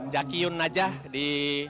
jakyun najah di